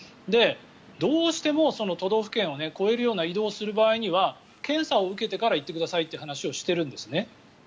どうしても都道府県を越えるような移動をする場合には検査を受けてから行ってくださいという話をしているんですね。